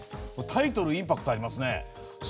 タイトル、インパクトありますね。